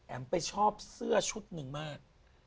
ไปชอบเสื้อชุดหนึ่งมาก